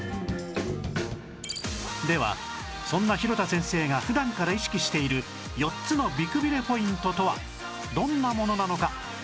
ではそんな廣田先生が普段から意識している４つの美くびれポイントとはどんなものなのか？